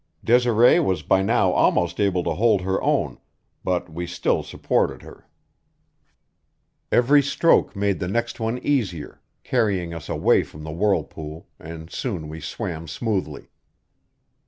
Desiree was by now almost able to hold her own, but we still supported her. Every stroke made the next one easier, carrying us away from the whirlpool, and soon we swam smoothly.